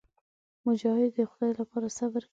مجاهد د خدای لپاره صبر کوي.